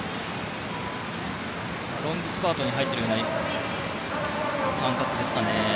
ロングスパートに入っている感覚ですかね。